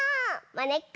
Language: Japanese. まねっこ。